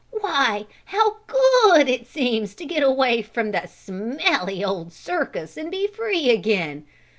"Why, how good it seems to get away from the smelly old circus and be free again.